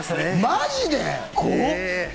マジで？